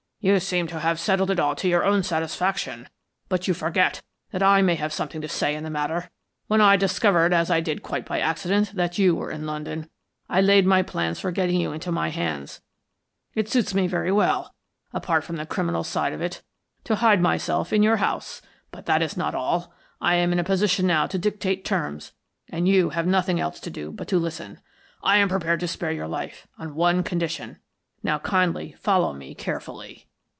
"You seem to have settled it all to your own satisfaction, but you forget that I may have something to say in the matter. When I discovered, as I did quite by accident, that you were in London, I laid my plans for getting you into my hands. It suits me very well, apart from the criminal side of it, to hide myself in your house, but that is not all. I am in a position now to dictate terms, and you have nothing else to do but to listen. I am prepared to spare your life on one condition. Now kindly follow me carefully."